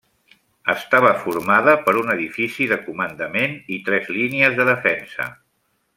Estava formada per un edifici de comandament i tres línies de defensa.